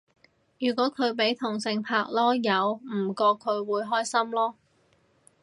如果佢俾同性拍籮柚唔覺佢會開心囉